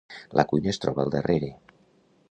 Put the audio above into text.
La cuina es troba al darrere.